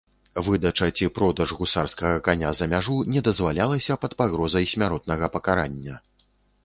Выдача ці продаж гусарскага каня за мяжу не дазваляліся пад пагрозай смяротнага пакарання.